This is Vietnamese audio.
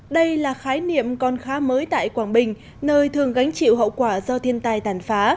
đây là khái niệm còn khá mới tại quảng bình nơi thường gánh chịu hậu quả do thiên tai tàn phá